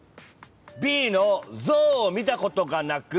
Ｂの象を見たことがなく。